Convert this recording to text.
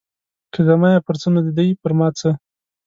که زما یې پر څه نو د دوی پر ما څه.